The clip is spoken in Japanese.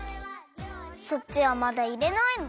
そっちはまだいれないの？